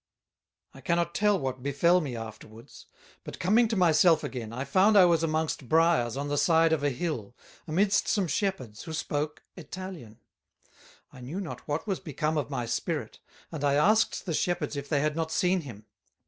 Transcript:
I cannot tell what befel me afterwards; but coming to my self again, I found I was amongst Briers on the side of a Hill, amidst some Shepherds, who spoke Italian. I knew not what was become of my Spirit, and I asked the Shepherds if they had not seen him.